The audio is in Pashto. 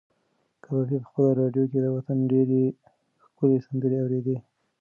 کبابي په خپله راډیو کې د وطن ډېرې ښکلې سندرې اورېدې.